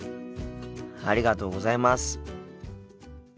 ありがとうございます。